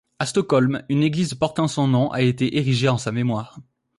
À Stockholm, une église portant son nom a été érigée en sa mémoire.